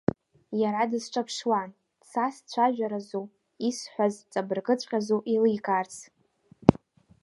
Иара дысҿаԥшуан цас цәажәаразу, исҳәаз ҵабыргыцәҟьазу еиликаарц.